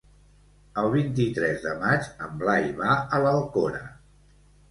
El vint-i-tres de maig en Blai va a l'Alcora.